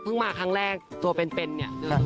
เพิ่งมาครั้งแรกตัวเป็นนี่